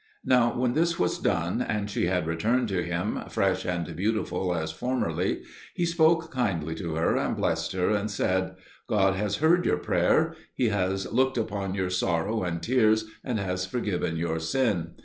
Now when this was done, and she had returned to him, fresh and beautiful as formerly, he spoke kindly to her, and blessed her and said, "God has heard your prayer: He has looked upon your sorrow and tears, and has forgiven your sin.